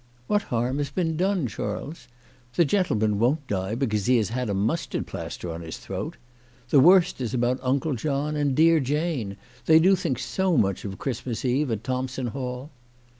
" What harm has been done, Charles ? The gentleman 240 CHETSTMAS AT THOMPSON HALL. won't die because lie has had a mustard plaster on his throat. The worst is about Uncle John and dear Jane. They do think so much of Christmas Eve at Thompson Hall